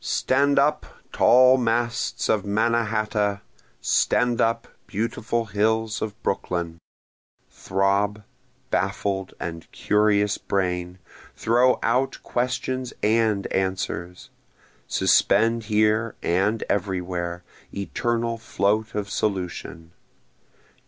Stand up, tall masts of Mannahatta! stand up, beautiful hills of Brooklyn! Throb, baffled and curious brain! throw out questions and answers! Suspend here and everywhere, eternal float of solution!